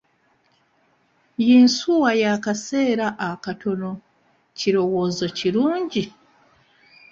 Yinsuwa y'akaseera akatono kirowoozo kirungi?